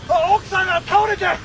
奥さんが倒れて！